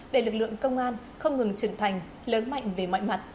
để lực lượng công an không ngừng trưởng thành lớn mạnh về mọi mặt